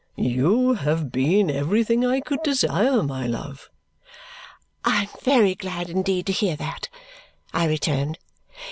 "You have been everything I could desire, my love." "I am very glad indeed to hear that," I returned.